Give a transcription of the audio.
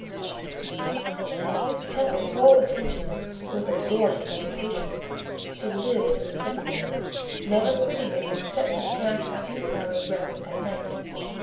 Miss Temple's whole attention was absorbed by the patients: she lived in the sick room, never quitting it except to snatch a few hours' rest at night.